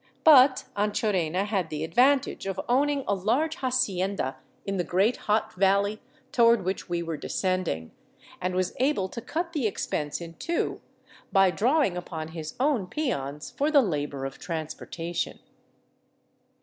But Anchorena had the advantage of owning a large hacienda in the great hot valley toward which we were descending, and was able to cut the expense in two by drawing upon his own peons for the labor of transportation.